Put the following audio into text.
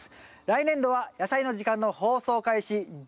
来年度は「やさいの時間」の放送開始お！